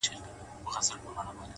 د حقیقت لټون د پوهې پیل دی’